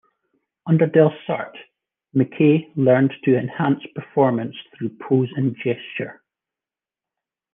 Under Delsarte, MacKaye learned to enhance performance through pose and gesture.